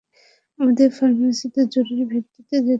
আমাদের ফার্মেসীতে জরুরী ভিত্তিতে যেতে হবে।